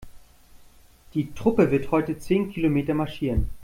Die Truppe wird heute zehn Kilometer marschieren.